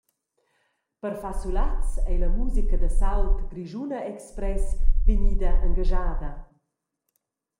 Per far sulaz ei la musica da sault «grischuna-express» vegnida engaschada.